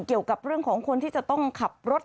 เกี่ยวกับเรื่องของคนที่จะต้องขับรถ